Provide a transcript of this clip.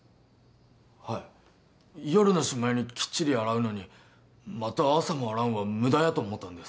はい夜のしまいにきっちり洗うのにまた朝も洗うんはムダやと思ったんです